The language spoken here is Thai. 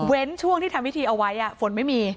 ช่วงที่ทำพิธีเอาไว้ฝนไม่มี